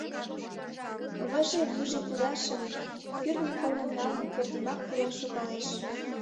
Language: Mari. Выжи-вужи кудашын, кӱртньӧ кольмым налын, пӧртйымак пурен шогалеш.